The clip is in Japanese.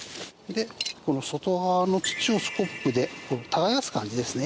外側の土をスコップで耕す感じですね。